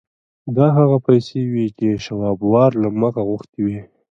دا هغه پیسې وې چې شواب وار له مخه غوښتي وو